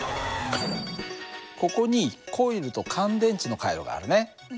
ここにコイルと乾電池の回路があるね。